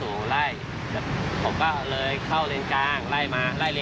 อืม